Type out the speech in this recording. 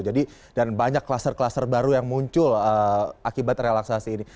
jadi dan banyak kluster kluster baru yang muncul akibat relaksasi ini